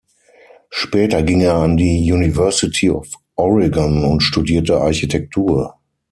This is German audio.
Später ging er an die University of Oregon und studierte Architektur.